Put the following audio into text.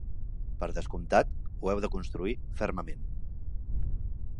Per descomptat, ho heu de constituir fermament.